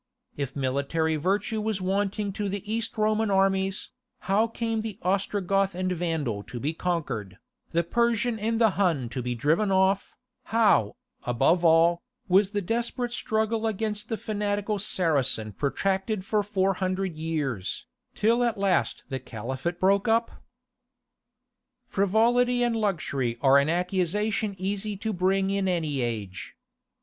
If military virtue was wanting to the East Roman armies, how came the Ostrogoth and Vandal to be conquered, the Persian and the Hun to be driven off, how, above all, was the desperate struggle against the fanatical Saracen protracted for four hundred years, till at last the Caliphate broke up? Frivolity and luxury are an accusation easy to bring against any age.